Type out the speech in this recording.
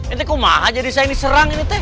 ini kenapa saja disayang diserang